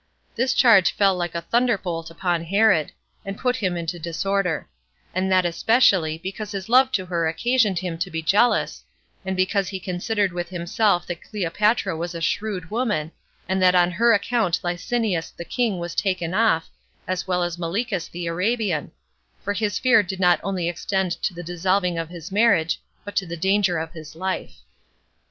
This charge fell like a thunderbolt upon Herod, and put him into disorder; and that especially, because his love to her occasioned him to be jealous, and because he considered with himself that Cleopatra was a shrewd woman, and that on her account Lysanias the king was taken off, as well as Malichus the Arabian; for his fear did not only extend to the dissolving of his marriage, but to the danger of his life.